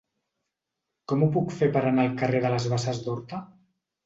Com ho puc fer per anar al carrer de les Basses d'Horta?